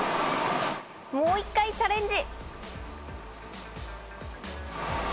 もう１回チャレンジ！